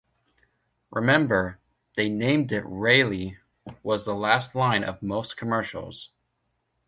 "Remember, They named it Rely" was the last line of most commercials.